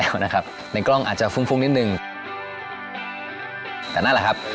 ก็เป็นบริเวณของประเทศเพื่อนบ้านอิตองจากด้านหลังผมเนี่ยนะครับ